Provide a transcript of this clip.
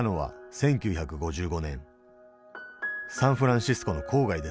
サンフランシスコの郊外で育った。